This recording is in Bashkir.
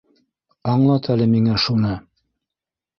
—Аңлат әле миңә шуны.